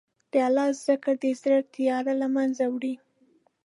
د الله ذکر د زړه تیاره له منځه وړي.